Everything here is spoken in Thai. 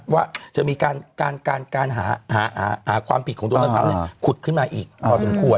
ว่าจะมีการหาความผิดของโดนัทธาขุดขึ้นมาอีกพอสมควร